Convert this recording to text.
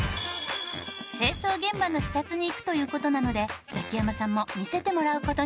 清掃現場の視察に行くという事なのでザキヤマさんも見せてもらう事に。